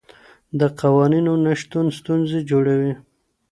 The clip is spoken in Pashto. د قوانينو نشتون ستونزې جوړوي.